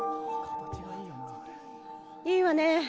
いいわね。